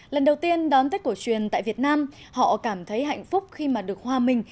lần đầu tiên đón tết cổ truyền tại việt nam họ cảm thấy hạnh phúc khi mà được hòa mình